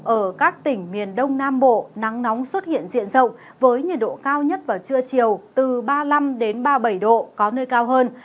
ở các tỉnh miền đông nam bộ nắng nóng xuất hiện diện rộng với nhiệt độ cao nhất vào trưa chiều từ ba mươi năm ba mươi bảy độ có nơi cao hơn